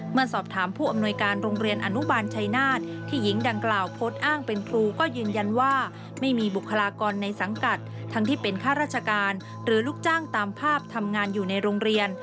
เมื่อสอบถามผู้อำนวยการโรงเรียนอนุบาลชัยนาศที่หญิงดังกล่าวโพสต์อ้างเป็นครูก็ยืนยันว่าไม่มีบุคลากรในสังกัดทั้งที่เป็นข้าราชการหรือลูกจ้างตามภาพทำงานอยู่ในโรงเรียน